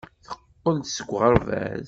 Teqqel-d seg uɣerbaz.